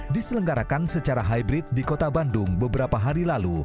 diselenggarakan secara hybrid di kota bandung beberapa hari lalu